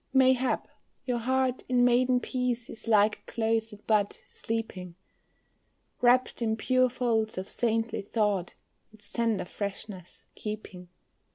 Mayhap, your heart in maiden peace is like a closed bud sleeping, Wrapped in pure folds of saintly thought, its tender freshness keeping.